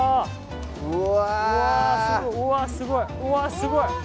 うわすごい！